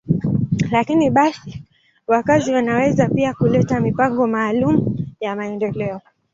Lakini basi, wakazi wanaweza pia kuleta mipango maalum ya maendeleo.